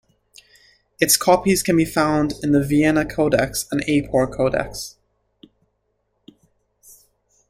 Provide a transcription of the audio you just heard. Its copies can be found in the Vienna-codex and Apor-codex.